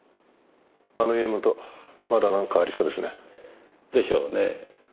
あの家元まだなんかありそうですね。でしょうねぇ。